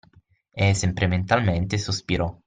E, sempre mentalmente, sospirò.